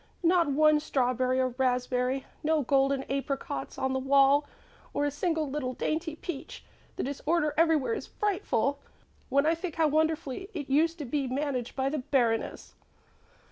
Not one strawberry or raspberry, no golden apricots on the wall or a single little dainty peach. The disorder everywhere is frightful. When I think how wonderfully it used to be managed by the Baroness!"